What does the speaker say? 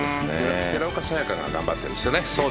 寺岡沙弥香が頑張ってるんですよね。